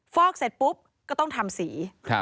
ฟอกเสร็จปุ๊บก็ต้องทำสี